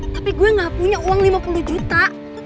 tapi gue gak punya uang lima puluh juta